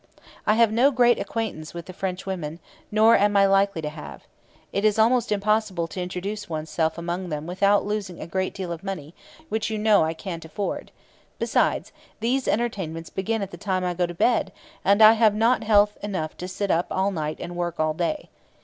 I have no great acquaintance with the French women, nor am likely to have. It is almost impossible to introduce one's self among them without losing a great deal of money, which you know I can't afford; besides, these entertainments begin at the time I go to bed, and I have not health enough to sit up all night and work all day.